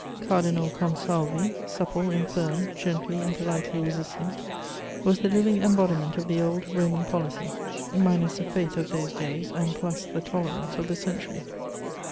Cardinal Consalvi, supple and firm, gently and politely resistant, was the living embodiment of the old Roman policy, minus the faith of those days and plus the tolerance of the century.